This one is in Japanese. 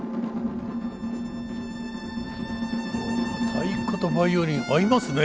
太鼓とバイオリン合いますね。